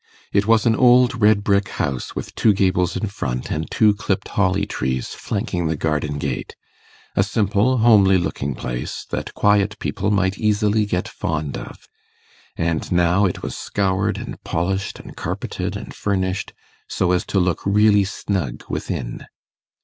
It was an old red brick house, with two gables in front, and two clipped holly trees flanking the garden gate; a simple, homely looking place, that quiet people might easily get fond of; and now it was scoured and polished and carpeted and furnished so as to look really snug within.